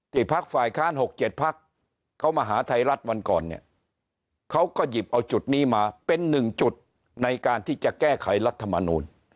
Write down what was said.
พักฝ่ายค้าน๖๗พักเขามาหาไทยรัฐวันก่อนเนี่ยเขาก็หยิบเอาจุดนี้มาเป็นหนึ่งจุดในการที่จะแก้ไขรัฐมนูล